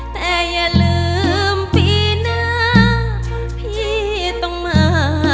แต่อย่าลืมปีหน้าพี่ต้องมา